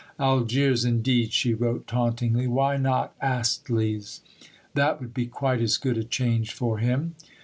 Algiers, indeed, she wrote tauntingly, "why not Astley's?" That would be quite as good a change for him.